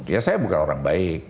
ya saya bukan orang baik